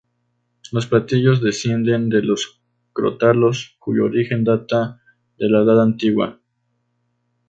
Los platillos descienden de los crótalos, cuyo origen data de la Edad Antigua.